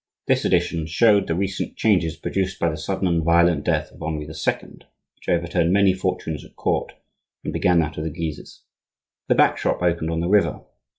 This addition showed the recent changes produced by the sudden and violent death of Henri II., which overturned many fortunes at court and began that of the Guises. The back shop opened on the river.